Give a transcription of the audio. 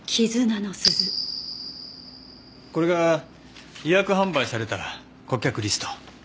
これが予約販売された顧客リスト。